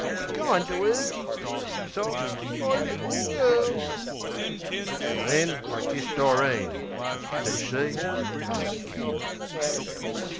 Be kind to 'er," she sobs, "my little girl!" An' then I kiss Doreen. Sez she "Ah Kid!"